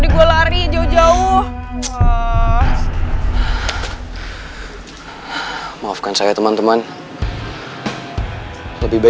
gue mau buna